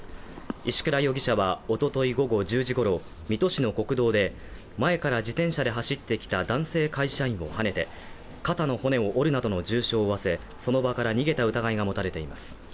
石倉容疑者は、おととい午後１０時ごろ、水戸市の国道で、前から自転車で走ってきた男性会社員をはねて肩の骨を折るなどの重傷を負わせ、その場から逃げた疑いが持たれています。